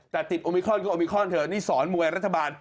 แต่ติดโอมิคอนก็โอมิคอนเถอะนี่สอนมวยรัฐบาล